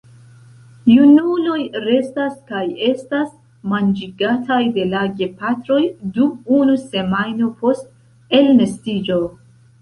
Junuloj restas kaj estas manĝigataj de la gepatroj dum unu semajno post elnestiĝo.